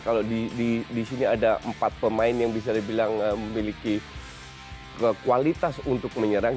kalau di sini ada empat pemain yang bisa dibilang memiliki kualitas untuk menyerang